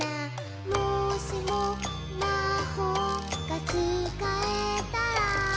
「もしもまほうがつかえたら」